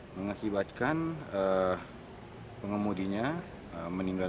mengakibatkan pengemudinya meninggal